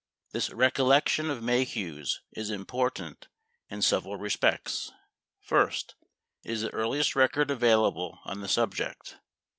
27 This recollection of Maheu's is important in several respects. First, it is the earliest record available on the subject.